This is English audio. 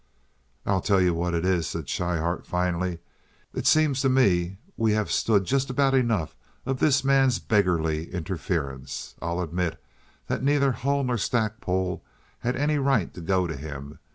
"I'll tell you what it is," said Schryhart, finally. "It seems to me we have stood just about enough of this man's beggarly interference. I'll admit that neither Hull nor Stackpole had any right to go to him.